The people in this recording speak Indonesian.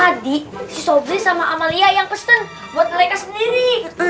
hai sobris sama amalia yang pesen buat mereka sendiri